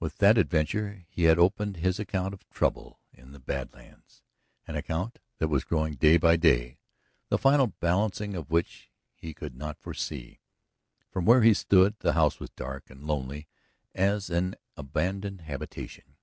With that adventure he had opened his account of trouble in the Bad Lands, an account that was growing day by day, the final balancing of which he could not foresee. From where he stood, the house was dark and lonely as an abandoned habitation.